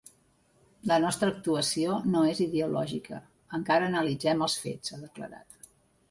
La nostra actuació no és ideològica; encara analitzem els fets, ha declarat.